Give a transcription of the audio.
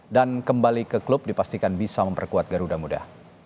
dan kembali ke klub dipastikan bisa memperkuat garuda muda